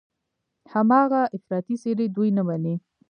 هماغه افراطي څېرې دوی نه مني.